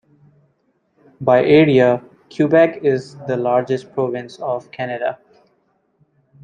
By area, Quebec is the largest province of Canada.